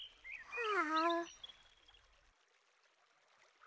ああ。